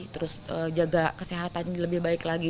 terus jaga kesehatan lebih baik lagi